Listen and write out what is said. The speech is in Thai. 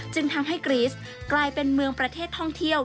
จึงทำให้กรีสกลายเป็นเมืองประเทศท่องเที่ยว